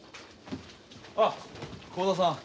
あっ幸田さん。